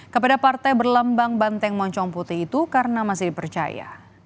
kepada partai berlambang banteng moncong putih itu karena masih dipercaya